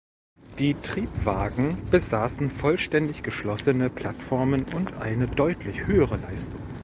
Die Triebwagen besaßen vollständig geschlossene Plattformen und eine deutlich höhere Leistung.